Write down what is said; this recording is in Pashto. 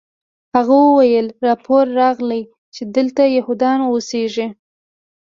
هغه وویل راپور راغلی چې دلته یهودان اوسیږي